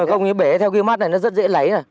không như bể theo kia mắt này nó rất dễ lấy này